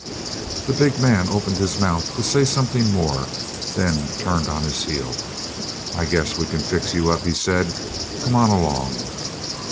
The big man opened his mouth to say something more, then turned on his heel. "I guess we can fix you up," he said. "Come on along."